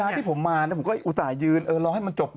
เวลาที่ผมมาผมก็อุตส่ายยืนรอให้มันจบเลย